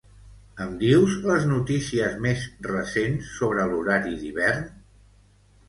Em dius les notícies més recents sobre l'horari d'hivern?